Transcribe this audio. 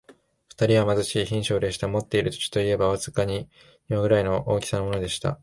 二人は貧しい百姓でした。持っている土地といえば、わずかに庭ぐらいの大きさのものでした。